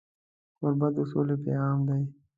کوربه د سولې پیغام دی.